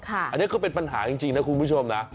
อันนี้ก็เป็นปัญหาจริงนะคุณผู้ชมนะ